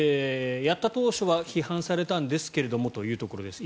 やった当初は批判されたんですがというところです。